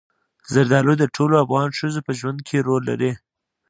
زردالو د ټولو افغان ښځو په ژوند کې رول لري.